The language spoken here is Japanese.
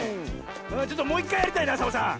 ちょっともういっかいやりたいなサボさん。